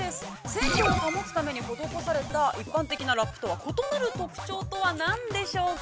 鮮度を保つために施された一般的なラップとは異なる特徴とは何でしょうか。